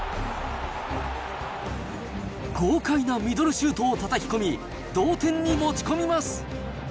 豪快なミドルシュートをたたき込み、同点に持ち込みます。